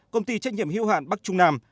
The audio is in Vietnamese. công ty trách nhiệm hưu hạn bắc trung nam